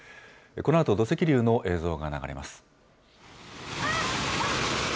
このあと土石流の映像が流れます。